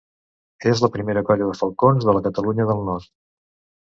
És la primera colla de falcons de la Catalunya del Nord.